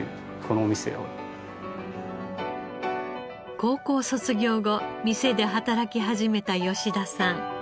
高校卒業後店で働き始めた吉田さん。